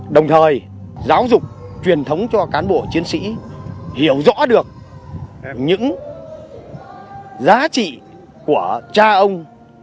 đồng thời giáo dục truyền thống cho cán bộ chiến sĩ hiểu rõ được những giá trị của cha ông